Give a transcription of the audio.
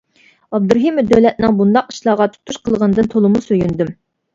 ئابدۇرېھىم دۆلەتنىڭ بۇنداق ئىشلارغا تۇتۇش قىلغىنىدىن تولىمۇ سۆيۈندۈم.